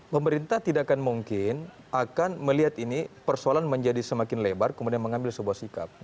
pemerintah tidak akan mungkin akan melihat ini persoalan menjadi semakin lebar kemudian mengambil sebuah sikap